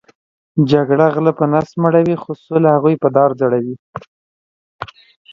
جګړه غلۀ په نس مړؤی خو سوله هغوې په دار ځړؤی